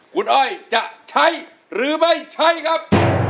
คุณอ้อยจะใช้หรือไม่ใช้ครับ